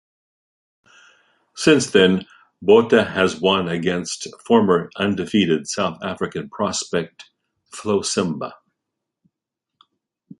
Since then, Botha has won against former undefeated South African prospect Flo Simba.